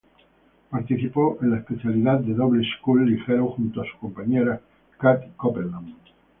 Participó en la especialidad de doble scull ligero junto a su compañera Kat Copeland.